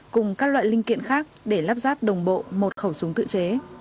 cùng các loại linh kiện khác để lắp ráp đồng bộ một khẩu súng tự chế